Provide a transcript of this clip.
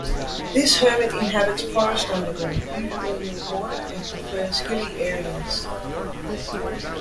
This hermit inhabits forest undergrowth, usually near water, and prefers hilly areas.